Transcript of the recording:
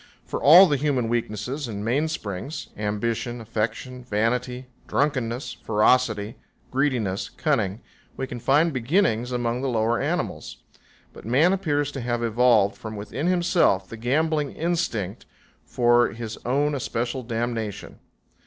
For all the human weaknesses and mainsprings ambition, affection, vanity, drunkenness, ferocity, greediness, cunning we can find beginnings among the lower animals. But man appears to have evolved from within himself the gambling instinct for his own especial damnation.